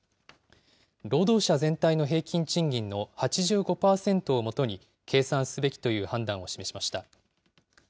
労働者全体の平均賃金の８５％をもとに、計算すべきという判断を示しました。